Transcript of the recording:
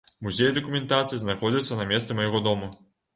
Музей дакументацыі знаходзіцца на месцы майго дому.